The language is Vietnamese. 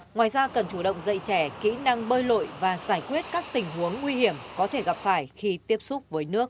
ngoài ra cần chủ động dạy trẻ kỹ năng bơi lội và giải quyết các tình huống nguy hiểm có thể gặp phải khi tiếp xúc với nước